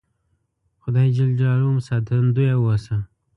خدای ج مو ساتندویه اوسه